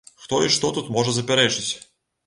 Хто і што тут можа запярэчыць?